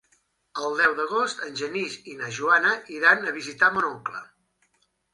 El deu d'agost en Genís i na Joana iran a visitar mon oncle.